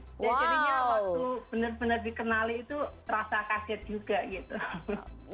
jadi waktu benar benar dikenali itu rasa kaset juga gitu